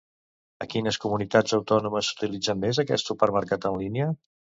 En quines comunitats autònomes s'utilitza més aquest supermercat en línia?